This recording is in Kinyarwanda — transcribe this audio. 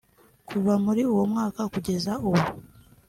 Kuva muri uwo mwaka kugeza ubu